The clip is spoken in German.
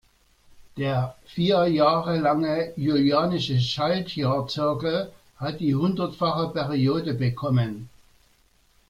Der vier Jahre lange julianische Schaltjahr-Zirkel hat die hundertfache Periode bekommen.